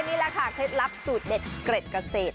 นี่แหละค่ะเคล็ดลับสูตรเด็ดเกร็ดเกษตร